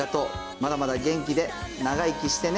まだまだ元気で長生きしてね。